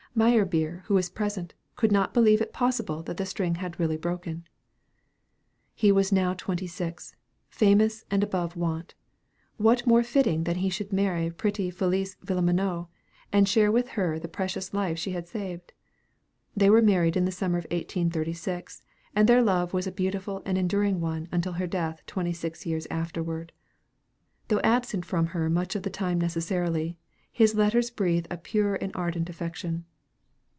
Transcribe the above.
Meyerbeer, who was present, could not believe it possible that the string had really broken. He was now twenty six, famous and above want. What more fitting than that he should marry pretty Félicie Villeminot, and share with her the precious life she had saved? They were married in the summer of 1836, and their love was a beautiful and enduring one until her death twenty six years afterward. Though absent from her much of the time necessarily, his letters breathe a pure and ardent affection.